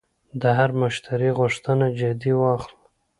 د هر مشتری غوښتنه جدي واخله.